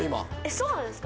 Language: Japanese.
そうなんですか？